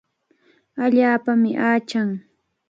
Allaapami achan.